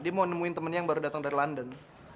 dia mau nemuin teman yang baru datang dari london